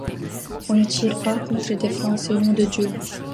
On ne tire pas contre des Français, nom de Dieu!